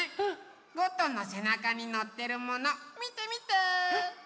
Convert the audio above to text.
ゴットンのせなかにのってるものみてみて！